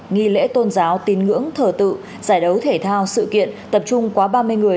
nghi lễ tôn giáo tín ngưỡng thờ tự giải đấu thể thao sự kiện tập trung quá ba mươi người